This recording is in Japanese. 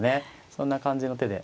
そんな感じの手で。